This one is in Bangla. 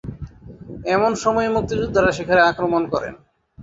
এমন সময়ই মুক্তিযোদ্ধারা সেখানে আক্রমণ করেন।